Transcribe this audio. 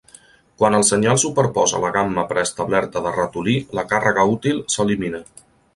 Quan el senyal superposa la gamma preestablerta de "ratolí", la càrrega útil s'elimina.